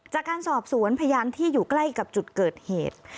จากการสอบสวนพยานที่อยู่ใกล้กับจุดเกิดเหตุ